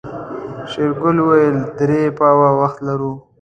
شېرګل وويل درې پاوه وخت لرو.